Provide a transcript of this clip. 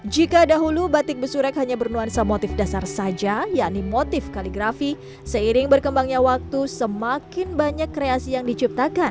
jika dahulu batik besurek hanya bernuansa motif dasar saja yakni motif kaligrafi seiring berkembangnya waktu semakin banyak kreasi yang diciptakan